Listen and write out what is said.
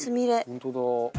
本当だ。